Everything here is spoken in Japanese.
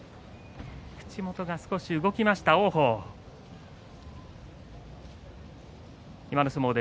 口元が少し動きました、王鵬